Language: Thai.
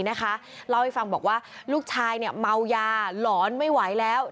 เล่าให้ฟังบอกว่าลูกชายเมายาหลอนไม่ไหวแล้ว